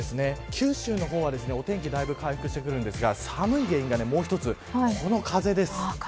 九州の方は、お天気だいぶ回復してくるんですが寒い原因がもう一つ、この風です。